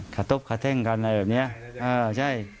ขาดตบขาดเท่งกันอะไรแบบนี้